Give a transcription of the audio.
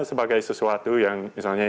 sebagai sesuatu yang misalnya